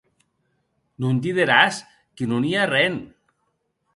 Non dideràs que non i a arren!